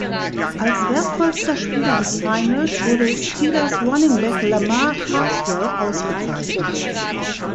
Als wertvollster Spieler des Finals wurde Steelers Runningback Lamar Carswell ausgezeichnet.